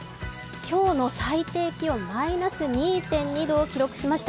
今日の最低気温マイナス２．２度を記録しました。